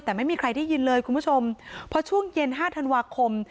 แต่ไม่มีใครได้ยินเลยคุณผู้ชมพอช่วงเย็นห้าธันวาคม